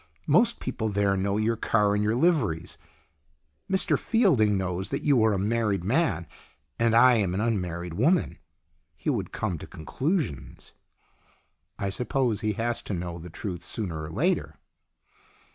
Most people there know your car and your liveries. Mr Fielding knows that you are a married man and I am an unmarried woman. He would come to conclusions." " I suppose he has to know the truth sooner or later."